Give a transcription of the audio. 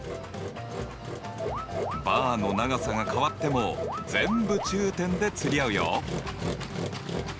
バーの長さが変わっても全部中点で釣り合うよ。